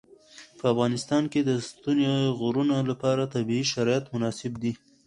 په افغانستان کې د ستوني غرونه لپاره طبیعي شرایط مناسب دي.